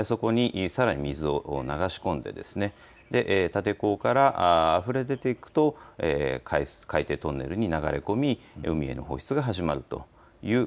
放出が始まりますとそこにさらに水を流し込んで立て坑から、あふれ出ていくと海底トンネルに流れ込み海への放出が始まる。